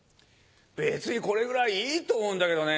別にこれぐらいいいと思うんだけどね。